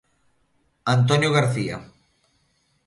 Antonio García.